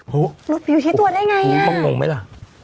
หลุดอยู่ที่ตัวได้ไงมีของหลงไหมล่ะ